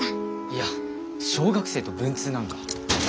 いや小学生と文通なんか。